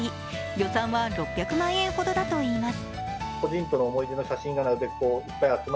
予算は６００万円ほどだといいます。